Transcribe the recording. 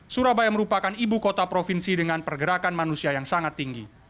surabaya merupakan ibu kota provinsi dengan pergerakan manusia yang sangat tinggi